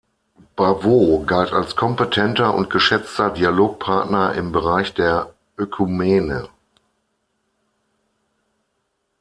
Bavaud galt als kompetenter und geschätzter Dialogpartner im Bereich der Ökumene.